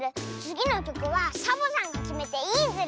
つぎのきょくはサボさんがきめていいズル。